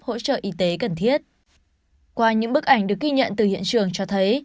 các hành khách y tế cần thiết qua những bức ảnh được ghi nhận từ hiện trường cho thấy